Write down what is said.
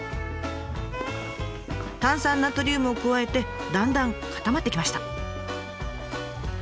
炭酸ナトリウムを加えてだんだん固まってきました。